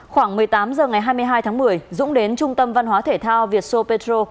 khoảng một mươi tám h ngày hai mươi hai tháng một mươi dũng đến trung tâm văn hóa thể thao vietso petro